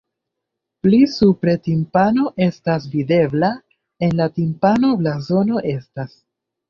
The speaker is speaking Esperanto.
Pli supre timpano estas videbla, en la timpano blazono estas.